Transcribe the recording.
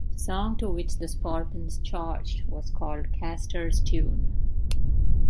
The song to which the Spartans charged was called Castor's Tune.